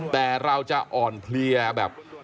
แต่เราจะอ่อนเพลียแบบ